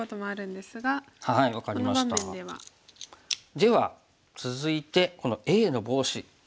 では続いてこのＡのボウシ。